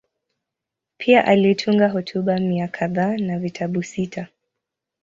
Pia alitunga hotuba mia kadhaa na vitabu sita.